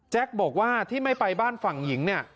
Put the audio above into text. แจ็คบอกว่าที่ไม่ไปบ้านฝ่ายหญิง